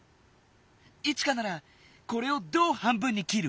イチカならこれをどう半分にきる？